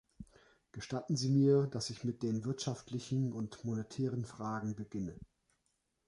Gestatten Sie mir, dass ich mit den wirtschaftlichen und monetären Fragen beginne.